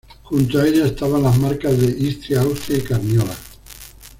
Junto a ella estaban las marcas de Istria, Austria, y Carniola.